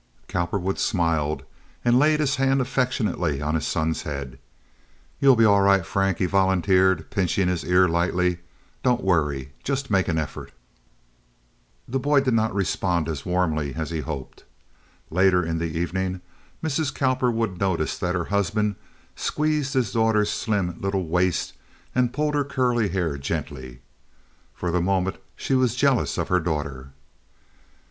Cowperwood smiled, and laid his hand affectionately on his son's head. "You'll be all right, Frank," he volunteered, pinching his ear lightly. "Don't worry—just make an effort." The boy did not respond as warmly as he hoped. Later in the evening Mrs. Cowperwood noticed that her husband squeezed his daughter's slim little waist and pulled her curly hair gently. For the moment she was jealous of her daughter.